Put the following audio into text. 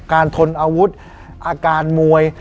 ทนอาวุธอาการมวย